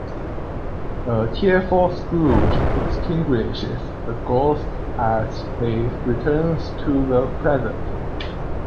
A tearful Scrooge extinguishes the Ghost as he returns to the present.